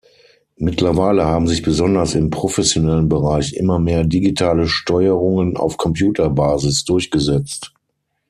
Mittlerweile haben sich besonders im professionellen Bereich immer mehr digitale Steuerungen auf Computer-Basis durchgesetzt.